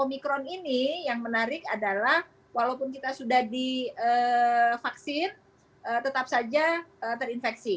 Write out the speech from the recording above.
omikron ini yang menarik adalah walaupun kita sudah divaksin tetap saja terinfeksi